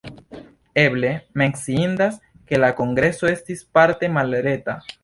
Eble menciindas, ke la kongreso estis parte malreta.